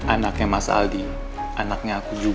anaknya mas aldi anaknya aku juga